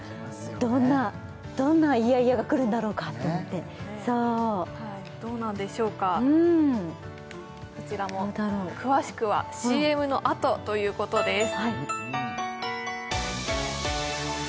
どんなどんなイヤイヤが来るんだろうかと思ってそうどうなんでしょうかこちらも詳しくはＣＭのあとということです